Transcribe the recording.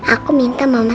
aku minta mama senyum dulu